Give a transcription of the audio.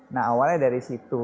nah awalnya dari situ